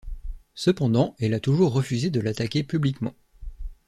Cependant elle a toujours refusé de l’attaquer publiquement.